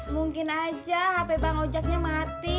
mungkin aja hp bang ojeknya mati